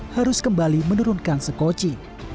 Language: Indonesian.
harus kembali menurunkan sekoci